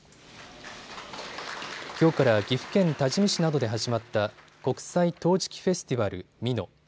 きょうから岐阜県多治見市などで始まった国際陶磁器フェスティバル美濃。